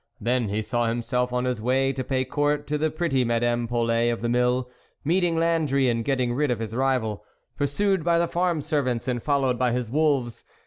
Then he saw himself on his way to pay court to the pretty Madame Polet of the mill, meeting Lan dry, and getting rid of his rival ; pursued by the farm servants, and followed by his wolves.